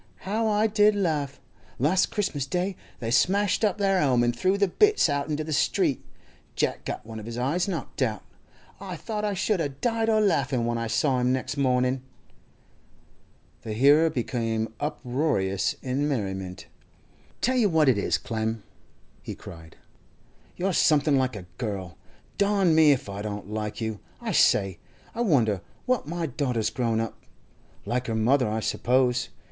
How I did laugh! Last Christmas Day they smashed up their 'ome an' threw the bits out into the street. Jack got one of his eyes knocked out—I thought I should a' died o' laughin' when I saw him next mornin'.' The hearer became uproarious in merriment. 'Tell you what it is, Clem,' he cried, 'you're something like a girl! Darn me if I don't like you! I say, I wonder what my daughter's grown up? Like her mother, I suppose.